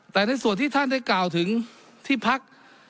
แต่ในส่วนที่ท่านได้กล่าวถึงที่พัก